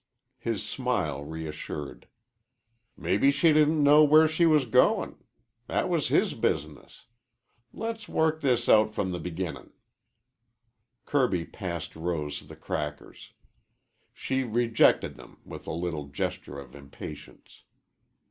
His smile reassured. "Mebbe she didn't know where she was goin'. That was his business. Let's work this out from the beginnin'." Kirby passed Rose the crackers. She rejected them with a little gesture of impatience.